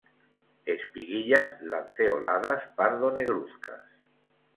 Espiguillas lanceoladas, pardo-negruzcas.